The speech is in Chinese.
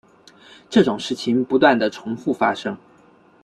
这种事件不断地重覆发生。